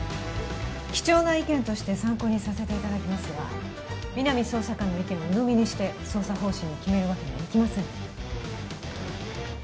貴重な意見として参考にさせていただきますが皆実捜査官の意見をうのみにして捜査方針を決めるわけにはいきません